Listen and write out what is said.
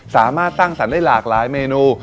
สามารถสร้างสรรค์ได้หลากหลายเมนู